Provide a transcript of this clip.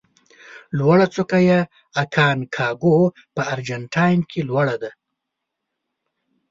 لوړه څوکه یې اکانکاګو په ارجنتاین کې لوړه ده.